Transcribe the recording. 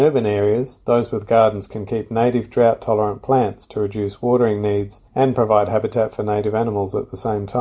di kawasan rurale orang dapat menghidratkan tanah